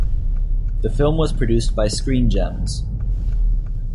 The film was produced by Screen Gems.